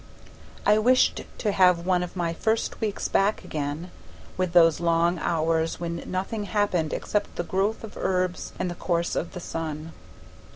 I wished to have one of my first weeks back again, with those long hours when nothing happened except the growth of herbs and the course of the sun.